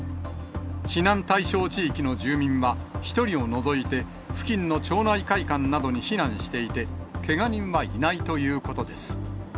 避難対象地域の住民は、１人を除いて付近の町内会館などに避難していて、けが人はいないということです。